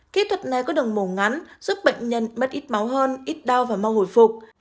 kỹ thuật này có đồng màu ngắn giúp bệnh nhân mất ít máu hơn ít đau và mau hồi phục